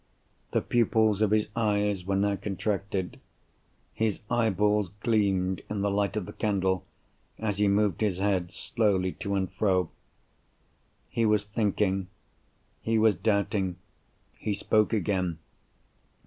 The pupils of his eyes were now contracted; his eyeballs gleamed in the light of the candle as he moved his head slowly to and fro. He was thinking; he was doubting—he spoke again.